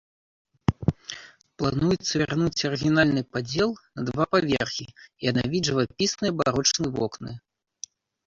Плануецца вярнуць арыгінальны падзел на два паверхі і аднавіць жывапісныя барочны вокны.